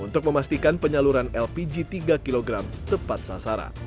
untuk memastikan penyaluran lpg tiga kg tepat sasaran